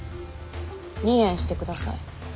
離縁してください。